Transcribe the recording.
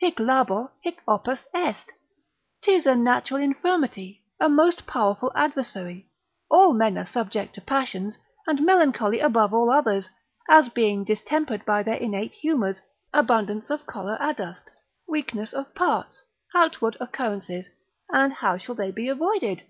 hic labor, hoc opus est. 'Tis a natural infirmity, a most powerful adversary, all men are subject to passions, and melancholy above all others, as being distempered by their innate humours, abundance of choler adust, weakness of parts, outward occurrences; and how shall they be avoided?